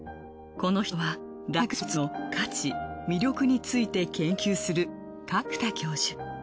この人は大学スポーツの価値魅力について研究する角田教授。